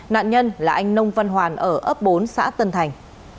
nạn nhân là anh nông văn hoàn ở ấp bốn xã tân thành